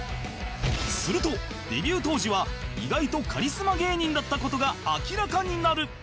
するとデビュー当時は意外とカリスマ芸人だった事が明らかになる！